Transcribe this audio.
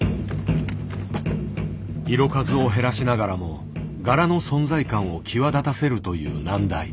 色数を減らしながらも柄の存在感を際立たせるという難題。